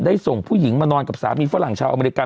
ส่งผู้หญิงมานอนกับสามีฝรั่งชาวอเมริกา